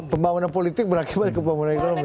pembangunan politik berakibat kepembangunan ekonomi